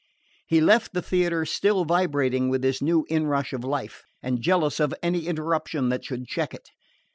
He left the theatre still vibrating with this new inrush of life, and jealous of any interruption that should check it.